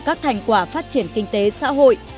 các thành quả phát triển kinh tế xã hội